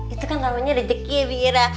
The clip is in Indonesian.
itu kan namanya rejeki ya bira